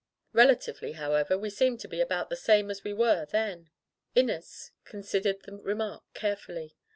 Relatively, however, we seem to be about the same as we were then." Inez considered the remark carefully.